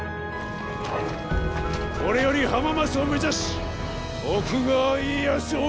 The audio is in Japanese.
これより浜松を目指し徳川家康を討つ！